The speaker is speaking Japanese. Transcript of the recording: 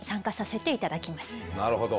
なるほど。